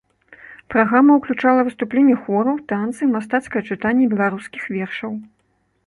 Праграма ўключала выступленне хору, танцы, мастацкае чытанне беларускіх вершаў.